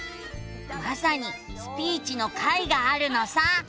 まさに「スピーチ」の回があるのさ。